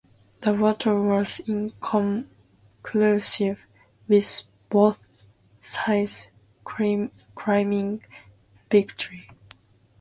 The battle was inconclusive, with both sides claiming victory.